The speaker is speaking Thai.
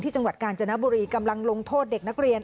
จังหวัดกาญจนบุรีกำลังลงโทษเด็กนักเรียน